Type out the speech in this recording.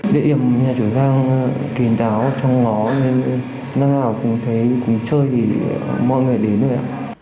địa điểm nhà chủ giang kín đáo trong ngó nên lần nào cũng thấy cũng chơi thì mọi người đến rồi ạ